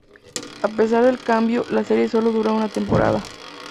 A pesar del cambio, la serie solo duró una temporada.